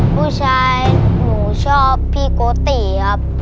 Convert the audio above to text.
ผู้ชายหนูชอบพี่โกติครับ